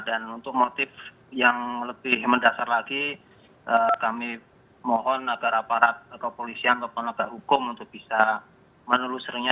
dan untuk motif yang lebih mendasar lagi kami mohon agar aparat kepolisian atau penegak hukum untuk bisa menelusurnya